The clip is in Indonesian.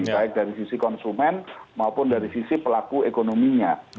baik dari sisi konsumen maupun dari sisi pelaku ekonominya